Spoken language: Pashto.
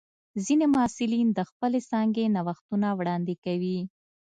ځینې محصلین د خپلې څانګې نوښتونه وړاندې کوي.